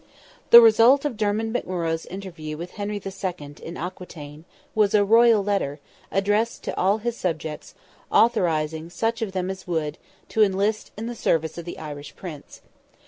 The result of Dermid McMurrogh's interview with Henry II., in Aquitaine, was a royal letter, addressed to all his subjects, authorizing such of them as would, to enlist in the service of the Irish Prince.